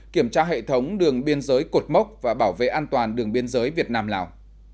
kiểm tra hệ thống đường biên giới cột mốc và bảo vệ an toàn đường biên giới việt nam lào